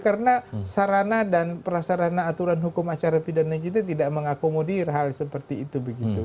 karena sarana dan prasarana aturan hukum acara pidana kita tidak mengakomodir hal seperti itu